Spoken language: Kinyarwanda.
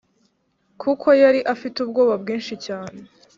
kuko yari afite ubwoba bwinshi cyane